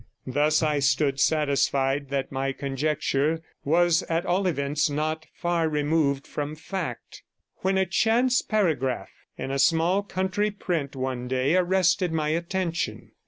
Thus I stood, satisfied that my conjecture was at all events not far removed from fact, when a chance paragraph in a small country print one day arrested my attention.